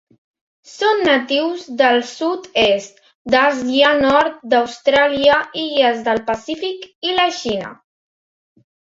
Són natius del sud-est d'Àsia, nord d'Austràlia, illes del Pacífic i la Xina.